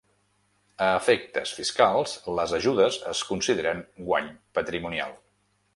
A efectes fiscals, les ajudes es consideren guany patrimonial.